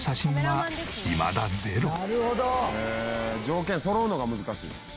「条件そろうのが難しい」